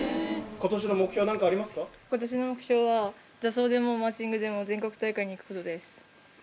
ことしの目標は、座奏でもマーチングでも、全国大会に行くことです。